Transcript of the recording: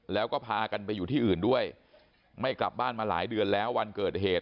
แล้วก็พากันไปอยู่ที่อื่นด้วยไม่กลับบ้านมาหลายเดือนแล้ววันเกิดเหตุ